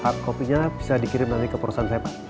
hardcopy nya bisa dikirim nanti ke perusahaan saya pak